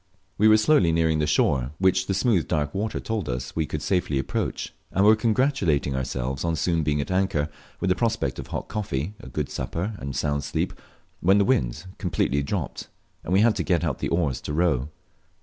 We were slowly nearing the shore, which the smooth dark water told us we could safely approach; and were congratulating ourselves on soon being at anchor, with the prospect of hot coffee, a good supper, and a sound sleep, when the wind completely dropped, and we had to get out the oars to row.